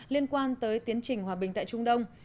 liên quan tới tiến trình hòa bình tại trung đông